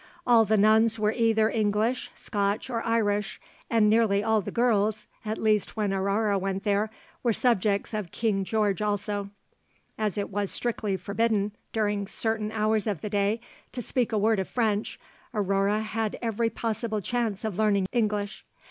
All the nuns were either English, Scotch, or Irish, and nearly all the girls at least, when Aurore went there were subjects of King George also. As it was strictly forbidden during certain hours of the day to speak a word of French, Aurore had every possible chance of learning English.